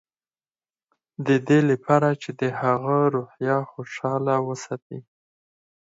د دې لپاره چې د هغه روحيه خوشحاله وساتي.